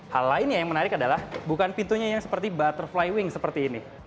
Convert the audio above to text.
hal lainnya yang menarik adalah bukan pintunya yang seperti butterflywing seperti ini